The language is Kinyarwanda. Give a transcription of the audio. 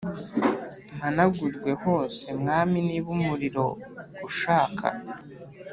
Mpanagurwe hose mwami niba umuriro ushaka